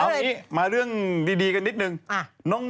เอางี้มาเรื่องดีกันนิดนึง